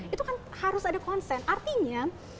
itu kan harus ada konsen artinya